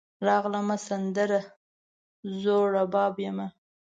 راغلمه , سندره زوړرباب یمه